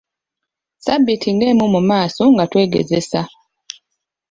Ssabbiiti ng'emu mu maaso nga twegezesa.